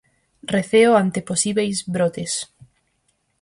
Receo ante posíbeis brotes.